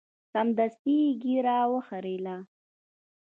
سمدستي یې ږیره وخریله.